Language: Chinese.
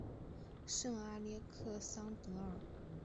圣阿勒克桑德尔。